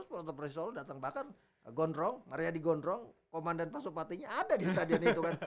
sporter persisolo datang bahkan gondrong maryadi gondrong komandan pasupatinya ada di stadion itu kan